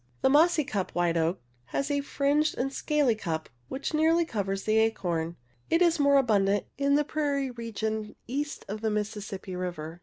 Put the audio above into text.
The mossy cup white oak has a fringed and scaly cup which nearly covers the acorn. ■ It is more abundant in the ,.. Southern U^E ak. pj^irie rCglOU CaSt of thc Mls sissippi River.